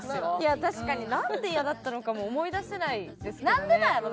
確かになんで嫌だったのかも思い出せないですけどね。